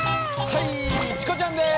はいチコちゃんです！